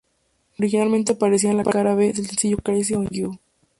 Originalmente aparecía en la Cara B del sencillo "Crazy on You".